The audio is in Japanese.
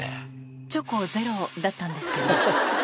チョコゼロだったんですけど。